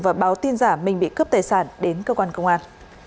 và báo tin giả mình bị cướp tài sản đến cơ quan công an